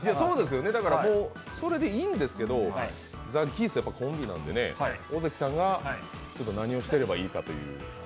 だからもう、それでいいんですけど、ザ・ギースはやっぱりコンビなんで尾関さんが何をしてればいいかという。